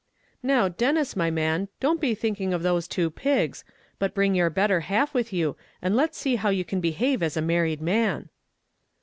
"Now, Denis, my man, don't be thinking of those two pigs, but bring your better half with you, and let's see how you can behave as a married man."